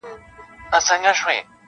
• زه هم نه پرېږدم رمې ستا د پسونو -